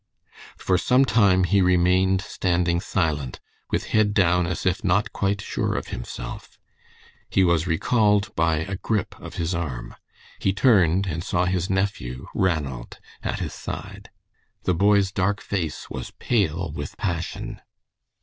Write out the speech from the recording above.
For some time he remained standing silent, with head down as if not quite sure of himself. He was recalled by a grip of his arm. He turned and saw his nephew, Ranald, at his side. The boy's dark face was pale with passion.